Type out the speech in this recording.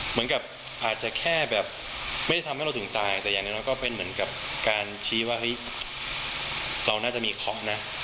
เหมือนกับอาจจะแค่แบบไม่ได้ทำให้เราถึงตายแต่อย่างน้อยก็เป็นเหมือนกับการชี้ว่าเฮ้ยเราน่าจะมีเคราะห์นะ